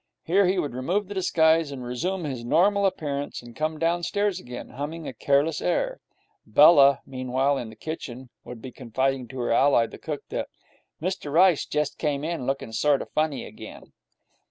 Here he would remove the disguise, resume his normal appearance, and come downstairs again, humming a careless air. Bella, meanwhile, in the kitchen, would be confiding to her ally the cook that 'Mr Rice had jest come in, lookin' sort o' funny again'.